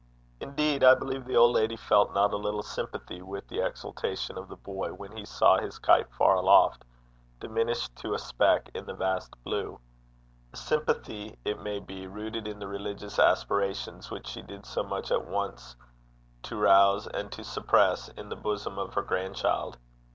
Indeed, I believe the old lady felt not a little sympathy with the exultation of the boy when he saw his kite far aloft, diminished to a speck in the vast blue; a sympathy, it may be, rooted in the religious aspirations which she did so much at once to rouse and to suppress in the bosom of her grandchild.